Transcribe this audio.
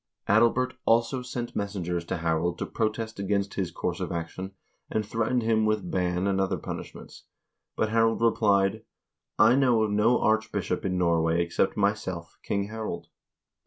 Adalbert also sent messengers to Harald to protest against his course of action, and threatened him with ban and other punish ments, but Harald replied :" I know of no archbishop in Norway except myself, King Harald."